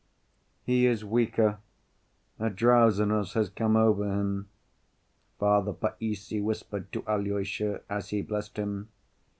"He is weaker, a drowsiness has come over him," Father Païssy whispered to Alyosha, as he blessed him.